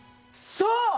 そう！